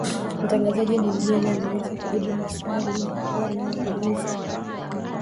mtangazaji mwingine anaweza kujibu maswali yanayoulizwa